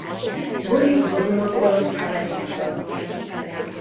Borisz Godunov orosz cár húga.